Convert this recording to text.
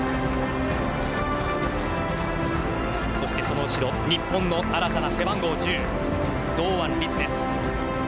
そしてその後ろ日本の新たな背番号１０堂安律です。